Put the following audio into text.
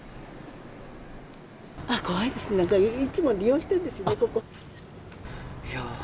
怖いですね、いつも利用してるんですね、ここ。